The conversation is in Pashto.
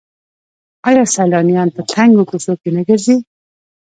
آیا سیلانیان په تنګو کوڅو کې نه ګرځي؟